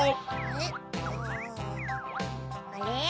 あれ？